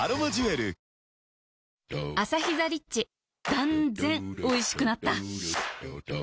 断然おいしくなった